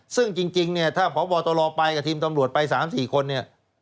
ซึ่งจริงเนี่ยถ้าพบตรไปกับทีมตำรวจไป๓๔คนเนี่ย